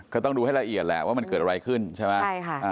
ก็ต้องดูให้ละเอียดแหละว่ามันเกิดอะไรขึ้นใช่ไหมใช่ค่ะ